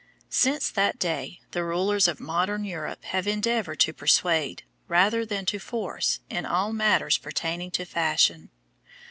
Since that day, the rulers of modern Europe have endeavoured to persuade, rather than to force, in all matters pertaining to fashion.